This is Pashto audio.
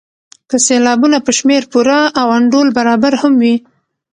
که سېلابونه په شمېر پوره او انډول برابر هم وي.